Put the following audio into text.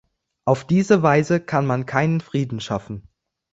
Auf diese Weise kann man keinen Frieden schaffen.